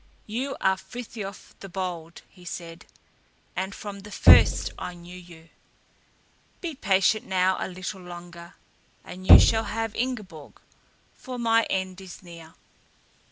"You are Frithiof the Bold," he said, "and from the first I knew you. Be patient now a little longer and you shall have Ingeborg, for my end is near."